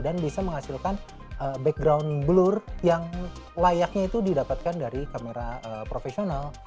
dan bisa menghasilkan background blur yang layaknya itu didapatkan dari kamera profesional